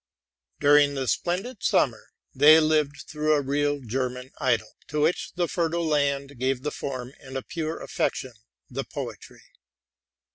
During the splendid summer they lived through a real German idyl, to which the fertile land gave the form, and a pure affection the poetry.